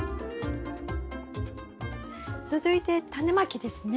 続いてタネまきですね？